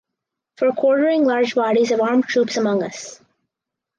For Quartering large bodies of armed troops among us: